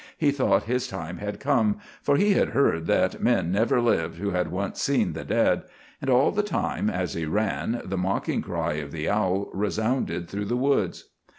He thought his time had come, for he had heard that men never lived who had once seen the dead; and all the time, as he ran, the mocking cry of the owl resounded through the woods.